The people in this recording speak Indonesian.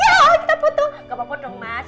ya kita foto gak apa apa dong mas